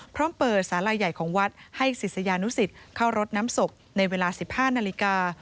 พร้อมเปิดสาระใหญ่ของวัดให้ศิษยานุศิษย์เข้ารถน้ำศกในเวลาสิบห้านาฬิกา